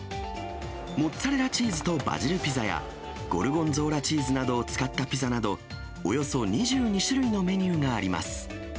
モッツァレラチーズとバジルピザなど、ゴルゴンゾーラチーズを使ったピザなど、およそ２２種類のメニューがあります。